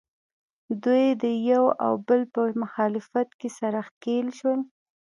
دوی د یو او بل په مخالفت کې سره ښکلیل شول